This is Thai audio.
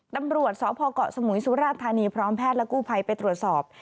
ตำรวจสพเกาะสมุยสุราธานีพร้อมแพทย์และกู้ภัยไปตรวจสอบ